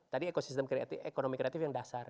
tadi ekosistem ekonomi kreatif yang dasar